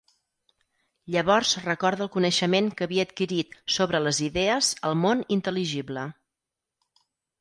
Llavors recorda el coneixement que havia adquirit sobre les idees al món intel·ligible.